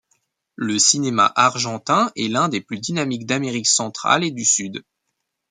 Le cinéma argentin est l'un des plus dynamiques d'Amérique centrale et du Sud.